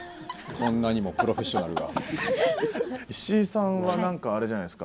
こんなにもプロフェッショナルが。